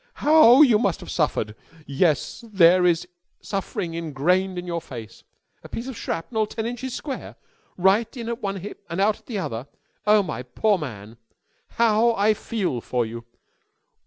"How you must have suffered! Yes, there is suffering ingrained in your face. A piece of shrapnel? Ten inches square? Right in at one hip and out at the other? Oh, my poor man! How I feel for you.